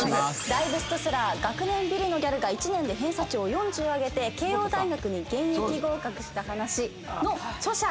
大ベストセラー『学年ビリのギャルが１年で偏差値を４０上げて慶應大学に現役合格した話』の著者。